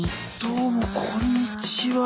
どうもこんにちは。